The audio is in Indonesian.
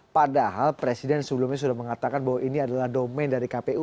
padahal presiden sebelumnya sudah mengatakan bahwa ini adalah domain dari kpu